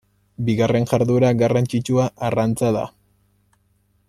Bigarren jarduera garrantzitsua arrantza da.